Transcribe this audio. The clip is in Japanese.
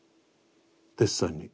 デッサンに。